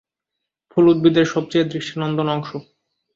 ফুল উদ্ভিদের সবচেয়ে দৃষ্টি নন্দন অংশ।